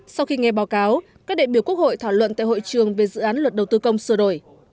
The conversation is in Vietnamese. sau khi nghe báo cáo các đại biểu quốc hội thảo luận tại hội trường về dự án luật đầu tư công sửa đổi